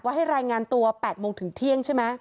ให้รายงานตัว๘โมงถึงเที่ยงใช่ไหม